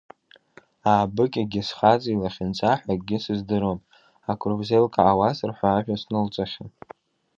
Аабыкьагьы, схаҵа илахьынҵа ҳәа акгьы сыздыруам, акрузеилкаауазар ҳәа ажәа снылҵахьан.